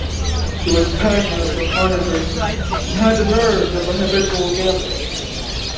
He was passionate for harness racing and had the nerves of a habitual gambler.